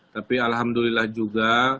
tapi alhamdulillah juga